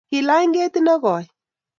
Kilany ketit ne koi